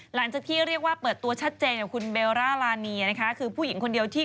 หลังจากที่เรียกว่าเปิดตัวชัดเจน